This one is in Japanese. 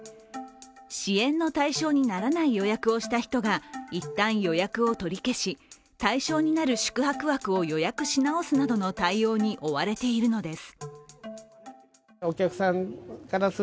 支援の対象にならない予約をした人が一旦予約を取り消し、対象になる宿泊枠を予約し直すなどの対応に追われているのです。